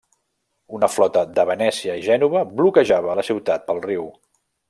Una flota de Venècia i Gènova bloquejava la ciutat pel riu.